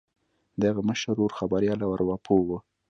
د هغه مشر ورور خبریال او ارواپوه و